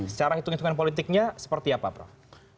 secara hitung hitungan politiknya seperti apa prof